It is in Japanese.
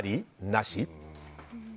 なし？